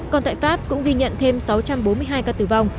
còn tại pháp cũng ghi nhận thêm sáu trăm bốn mươi hai ca tử vong